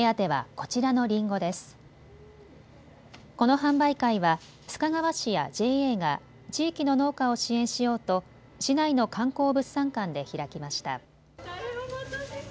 この販売会は須賀川市やＪＡが地域の農家を支援しようと市内の観光物産館で開きました。